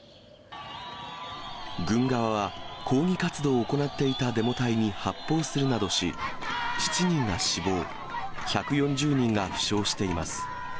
軍側は、抗議活動を行っていたデモ隊に発砲するなどし、７人が死亡、１４０人が負傷しています。